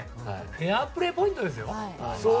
フェアプレーポイントですよ？